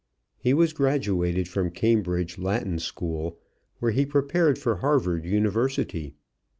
He was graduated from Cambridge Latin School, where he prepared for Harvard University.